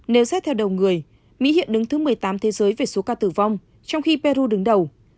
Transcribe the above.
nếu xét theo đầu người mỹ hiện đứng thứ một mươi tám thế giới về số ca tử vong trong khi peru đứng đầu